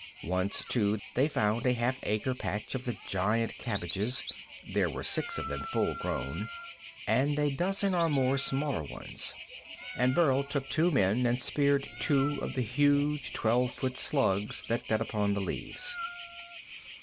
Once, too, they found a half acre patch of the giant cabbages there were six of them full grown, and a dozen or more smaller ones and Burl took two men and speared two of the huge, twelve foot slugs that fed upon the leaves.